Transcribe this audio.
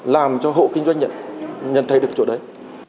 làm cho hộ kinh doanh nhận thấy được chỗ đấy